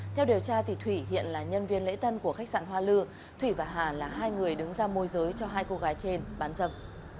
theo điều tra thủy hiện là nhân viên lễ tân của khách sạn hoa lư thủy và hà là hai người đứng ra môi giới cho hai cô gái trên bán dâm